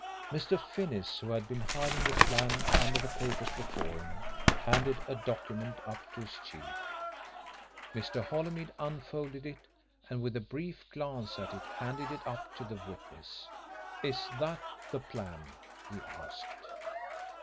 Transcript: Mr. Finnis, who had been hiding the plan under the papers before him, handed a document up to his chief. Mr. Holymead unfolded it, and with a brief glance at it handed it up to the witness. "Is that the plan?" he asked.